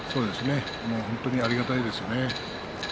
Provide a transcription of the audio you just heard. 本当にありがたいですね。